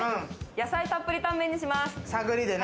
野菜たっぷりタンメンにします。